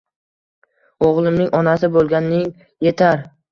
oʼgʼlimning onasi boʼlganing yetar.